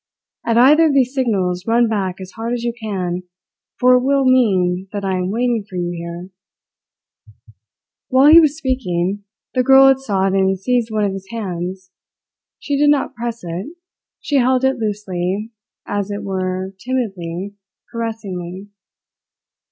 At either of these signals run back as hard as you can, for it will mean that I am waiting for you here." While he was speaking, the girl had sought and seized one of his hands. She did not press it; she held it loosely, as it were timidly, caressingly.